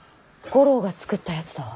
五郎が作ったやつだわ。